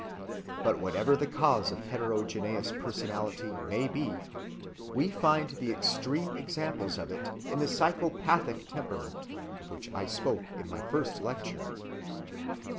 But whatever the cause of heterogeneous personality may be, we find the extreme examples of it in the psychopathic temperament, of which I spoke in my first lecture.